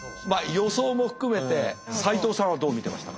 予想も含めて斎藤さんはどう見てましたか？